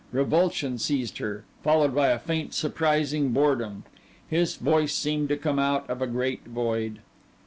Revulsion seized her, followed by a faint, surprising boredom. His voice seemed to come out of a great void.